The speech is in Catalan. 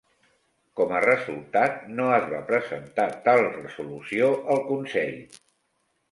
Com a resultat, no es va presentar tal resolució al Consell.